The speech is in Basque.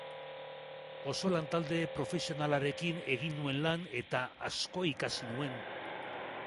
Oso lantalde profesionalarekin egin nuen lan eta asko ikasi nuen.